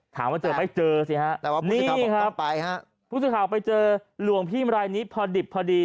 ถามว่าเจอไปเจอสิฮะนี่ครับผู้สึกข่าวไปเจอหลวงพี่เมื่อไหร่นี้พอดิบพอดี